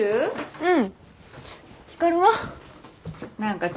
うん。